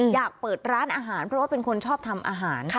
อยากเปิดร้านอาหารเพราะว่าเป็นคนชอบทำอาหาร